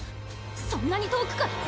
そんなに遠くから？